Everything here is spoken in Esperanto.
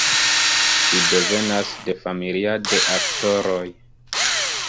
Ŝi devenas de familia de aktoroj.